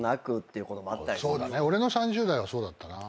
俺の３０代はそうだったな。